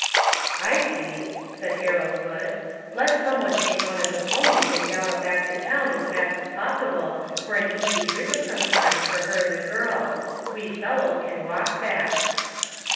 " I see," said Harold Wood. " Let some one take one of the ponies and gallop back to town as fast as possible for an easy rig of some kind for her and the girls; we fellows can walk back."